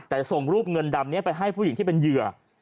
แต่ส่งรูปเงินดำนี้ไปให้ผู้หญิงที่เป็นเหยื่อ